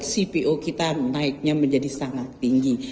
cpo kita naiknya menjadi sangat tinggi